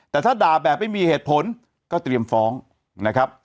แต่ถ้าด่าแบบไม่มีเหตุผลก็เตรียมฟ้องนะครับ